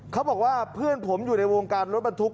เขาบอกว่าเพื่อนผมอยู่ในวงการรถบรรทุก